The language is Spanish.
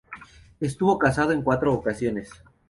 Estuvo casado en cuatro ocasiones.